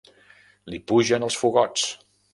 Li pugen els fogots.